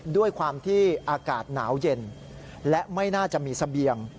ด้วยความที่อากาศหนาวเย็นและไม่น่าจะมีเสบียง